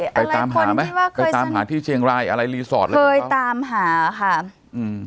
ไปตามหาไหมไปตามหาที่เชียงรายอะไรรีสอร์ทเลยเคยตามหาค่ะอืม